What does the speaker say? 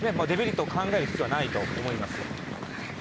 デメリットを考える必要はないと思います。